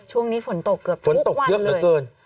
ช่วงนี้ฝนตกเกือบทุกวันเลย